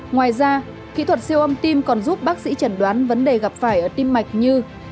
ngoài ra kỹ thuật siêu âm tim còn giúp bác sĩ chẩn đoán vấn đề gặp phải ở tim mạch như